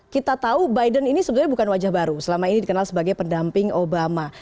kita tahu biden ini sebenarnya bukan wajah baru selama ini dikenal sebagai pendamping obama